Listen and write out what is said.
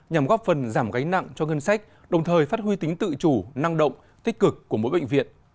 nhằm góp phần giảm gánh nặng cho ngân sách đồng thời phát huy tính tự chủ năng động tích cực của mỗi bệnh viện